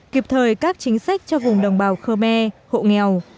kịp thời các chính sách cho vùng đồng bào khơ me hộ nghèo